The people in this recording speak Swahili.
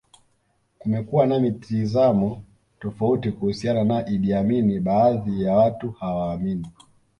Kumekuwa na mitazamo tofauti kuhusiana na Idi Amin baadhi ya watu hawaamini